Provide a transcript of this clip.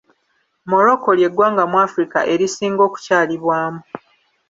Morocco ly'eggwanga mu Afirika erisinga okukyalibwamu..